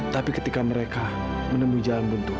tapi ketika mereka menemui jalan buntu